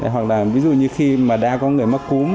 hoặc là ví dụ như khi mà đã có người mắc cúm